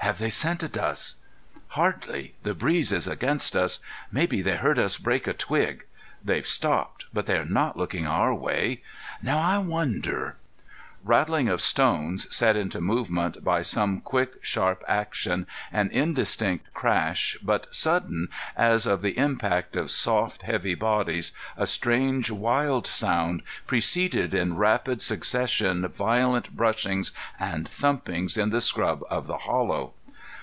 "Have they scented us?" "Hardly; the breeze is against us. Maybe they heard us break a twig. They've stopped, but they are not looking our way. Now I wonder " Rattling of stones set into movement by some quick, sharp action, an indistinct crash, but sudden, as of the impact of soft, heavy bodies, a strange wild sound preceded in rapid succession violent brushings and thumpings in the scrub of the hollow.